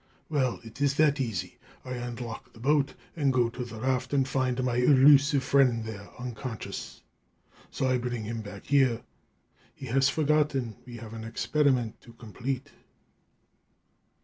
Well, it is that easy. I unlock the boat and go to the raft and find my elusive friend there, unconscious. So I bring him back here. He has forgotten: we have an experiment to complete."